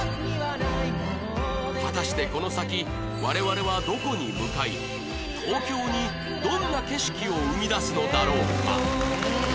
果たしてこの先我々はどこに向かい東京にどんな景色を生み出すのだろうか？